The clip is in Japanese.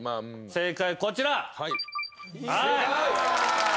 正解はこちら。